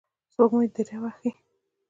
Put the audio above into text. سپوږمۍ دریه وهي